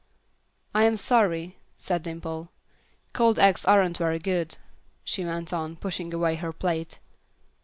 "I am sorry," said Dimple. "Cold eggs aren't very good," she went on, pushing away her plate.